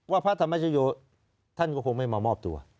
พระธรรมชโยท่านก็คงไม่มามอบตัว